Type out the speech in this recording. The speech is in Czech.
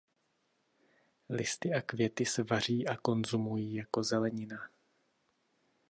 Listy a květy se vaří a konzumují jako zelenina.